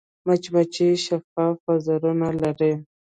مچمچۍ شفاف وزرونه لري